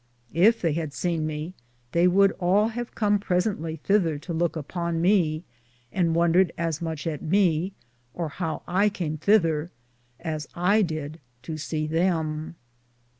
Yf they had sene me, they would all have come presently thether to louke upon me, and have wondred as moche at me, or how I cam thether, as I did to se them.